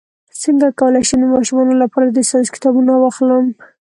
څنګه کولی شم د ماشومانو لپاره د ساینس کتابونه واخلم